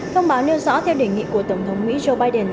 thông báo nêu rõ theo đề nghị của tổng thống mỹ joe biden